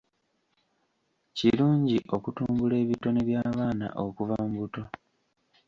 Kirungi okutumbula ebitone by'abaana okuva mu buto.